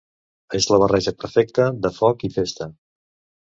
És la barreja perfecta de foc i festa.